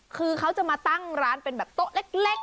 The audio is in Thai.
คือเขาจะมาตั้งร้านเป็นแบบโต๊ะเล็ก